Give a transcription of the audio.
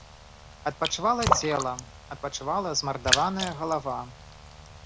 Адпачывала цела, адпачывала змардаваная галава.